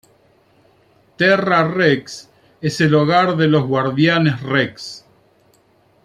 Terra Rex es el hogar de los Guardianes Rex.